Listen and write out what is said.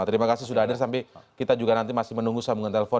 terima kasih sudah hadir sampai kita juga nanti masih menunggu sambungan telepon